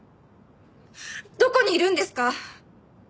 どこにいるんですか？